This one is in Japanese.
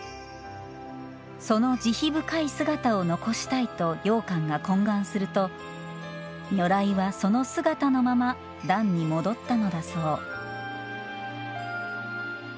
その慈悲深い姿を残したいと永観が懇願すると、如来はその姿のまま壇に戻ったのだそう。